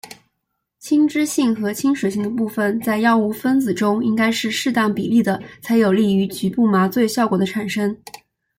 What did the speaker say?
亲脂性和亲水性的部分在药物分子中应该是适当比例的才有利于局部麻醉效果的产生。